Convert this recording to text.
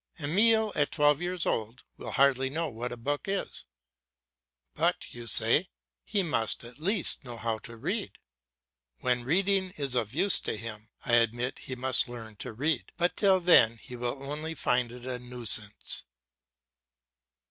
Emile, at twelve years old, will hardly know what a book is. "But," you say, "he must, at least, know how to read." When reading is of use to him, I admit he must learn to read, but till then he will only find it a nuisance.